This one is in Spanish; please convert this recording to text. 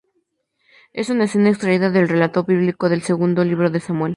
Es una escena extraída del relato bíblico de Segundo libro de Samuel.